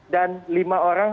dan lima enam orang